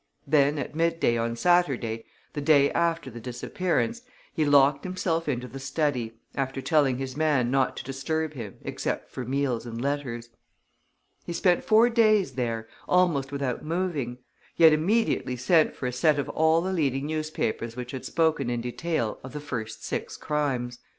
Then at midday on Saturday, the day after the disappearance, he locked himself into the study, after telling his man not to disturb him except for meals and letters. He spent four days there, almost without moving. He had immediately sent for a set of all the leading newspapers which had spoken in detail of the first six crimes.